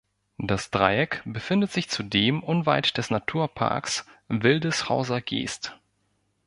Das Dreieck befindet sich zudem unweit des Naturparks Wildeshauser Geest.